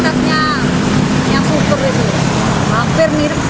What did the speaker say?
jangan kena uang palsu itu kan